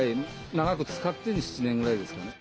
長く使って７年ぐらいですかね。